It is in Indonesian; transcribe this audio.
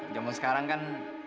jamu sekarang kan